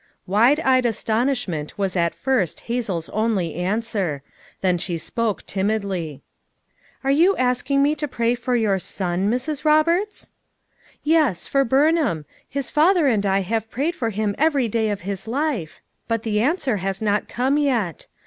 Wide eyed astonishment was at first Hazel's only answer; then she spoke timidly. "Are you asking me to pray for your son, Mrs. Roberts?" "Yes, for Burnham; his father and I have prayed for him every day of bis life, but the answer has not come yet.